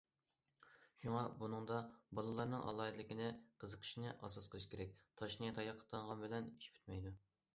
شۇڭا بۇنىڭدا بالىلارنىڭ ئالاھىدىلىكىنى، قىزىقىشىنى ئاساس قىلىش كېرەك، تاشنى تاياققا تاڭغان بىلەن ئىش پۈتمەيدۇ.